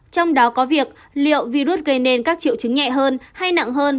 trong đó có việc liệu virus gây nên các triệu chứng nhẹ hơn hay nặng hơn